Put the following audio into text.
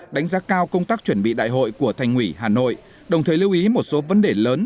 đánh giá cao công tác chuẩn bị đại hội của thành ủy hà nội đồng thời lưu ý một số vấn đề lớn